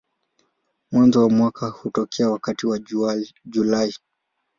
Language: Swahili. Mwanzo wa mwaka hutokea wakati wa Julai.